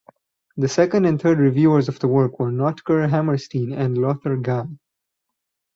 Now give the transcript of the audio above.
The second and third reviewers of the work were Notker Hammerstein and Lothar Gall.